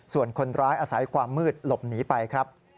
ส่วนคนร้ายอาศัยความมืดหลบหนีไปครับ